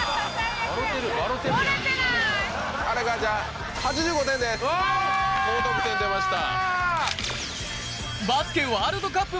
荒川ちゃん８５点です高得点出ました。